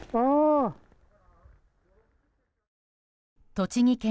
栃木県